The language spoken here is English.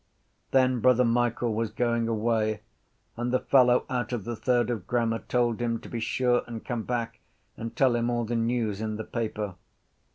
Then Brother Michael was going away and the fellow out of the third of grammar told him to be sure and come back and tell him all the news in the paper.